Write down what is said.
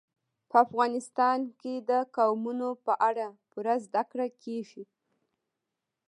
په افغانستان کې د قومونه په اړه پوره زده کړه کېږي.